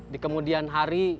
di kemudian hari